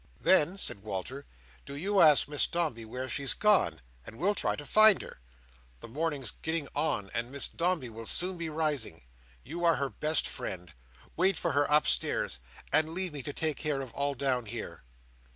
"Then," said Walter, "do you ask Miss Dombey where she's gone, and we'll try to find her. The morning's getting on, and Miss Dombey will soon be rising. You are her best friend. Wait for her upstairs, and leave me to take care of all down here."